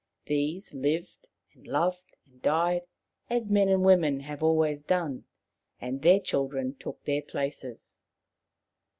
These lived and loved and died, as men and women have always done, and their children took their places.